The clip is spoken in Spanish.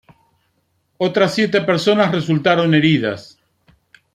Otras siete personas resultaron heridas.